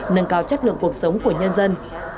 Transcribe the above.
nâng cao chất lượng cuộc sống của nhân dân